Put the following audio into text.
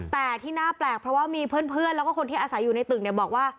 แต่ที่น่าแปลกเพราะว่ามีเพื่อนแล้วก็คนที่อาศัยอยู่ในตึกเนี่ยบอกว่า